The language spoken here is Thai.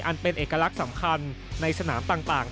อันเป็นเอกลักษณ์สำคัญในสนามต่าง